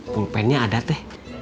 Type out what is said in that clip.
pengpennya ada teh